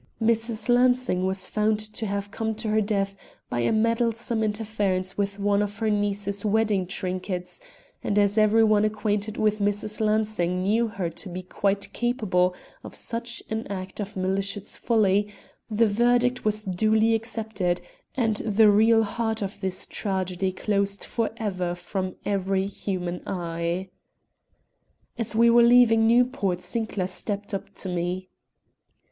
Mrs. Lansing was found to have come to her death by a meddlesome interference with one of her niece's wedding trinkets; and, as every one acquainted with Mrs. Lansing knew her to be quite capable of such an act of malicious folly, the verdict was duly accepted and the real heart of this tragedy closed for ever from every human eye. As we were leaving Newport Sinclair stepped up to me.